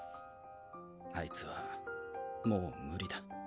あいつはもう無理だ。